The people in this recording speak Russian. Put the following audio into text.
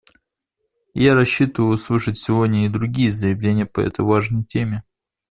И я рассчитываю услышать сегодня и другие заявления по этой важной теме.